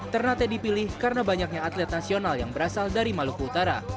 ternate dipilih karena banyaknya atlet nasional yang berasal dari maluku utara